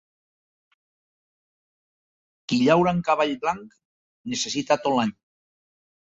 Qui llaura amb cavall blanc, necessita tot l'any.